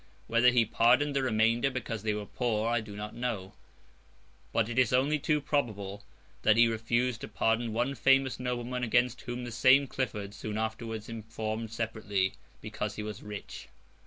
Whether he pardoned the remainder because they were poor, I do not know; but it is only too probable that he refused to pardon one famous nobleman against whom the same Clifford soon afterwards informed separately, because he was rich.